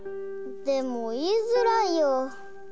でもいいづらいよ。